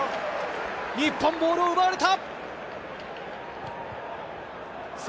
日本ボールを奪われた。